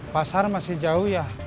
pasar masih jauh ya